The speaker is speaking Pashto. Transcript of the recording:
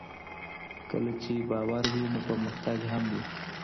کله چې باور وي نو پرمختګ هم وي.